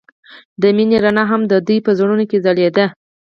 د مینه رڼا هم د دوی په زړونو کې ځلېده.